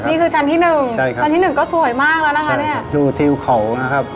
นี่คือชั้นที่หนึ่งใช่ครับชั้นที่หนึ่งก็สวยมากแล้วนะคะเนี่ยดูทิวเขานะครับ